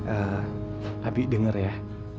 eh abi denger ya